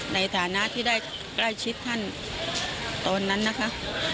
ในฐานะที่ได้ใกล้ชิดท่านตอนนั้นนะคะ